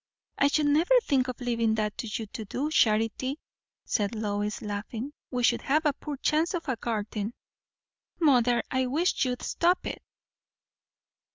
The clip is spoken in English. "I should never think of leaving that to you to do, Charity," said Lois, laughing. "We should have a poor chance of a garden." "Mother, I wish you'd stop it."